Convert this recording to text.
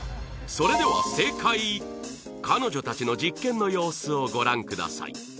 それでは正解彼女たちの実験の様子をご覧ください